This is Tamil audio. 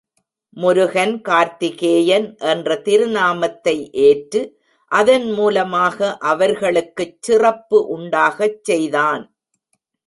முருகன் கார்த்திகேயன் என்ற திருநாமத்தை ஏற்று அதன் மூலமாக அவர்களுக்குச் சிறப்பு உண்டாகச் செய்தான்.